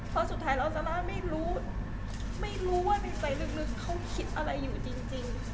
เพราะสุดท้ายแล้วซาร่าไม่รู้ไม่รู้ว่ามีไฟลึกเขาคิดอะไรอยู่จริง